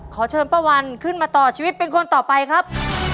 ขอเชิญป้าวันขึ้นมาต่อชีวิตเป็นคนต่อไปครับ